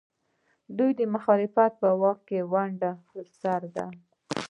د دوی مخالفت په واک کې د ونډې پر سر دی.